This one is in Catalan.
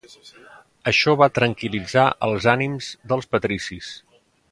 Això va tranquil·litzar els ànims dels patricis.